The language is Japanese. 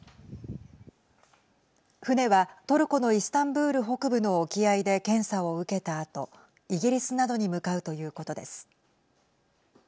船はトルコのイスタンブール北部の沖合で検査を受けたあとイギリスなどに向かうということです。